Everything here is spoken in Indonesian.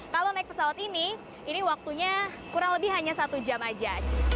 kalau naik pesawat ini ini waktunya kurang lebih hanya satu jam aja